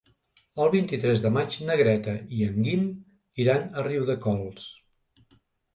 El vint-i-tres de maig na Greta i en Guim iran a Riudecols.